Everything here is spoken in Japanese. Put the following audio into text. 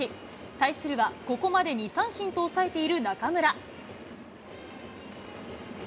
対するは、ここまで２三振と抑えている中村。